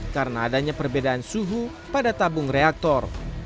karena adanya perbedaan suhu pada tabung reaktor